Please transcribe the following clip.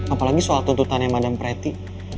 apalagi soal tuntutannya madam preppy